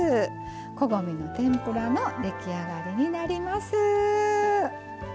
こごみの天ぷらの出来上がりになります。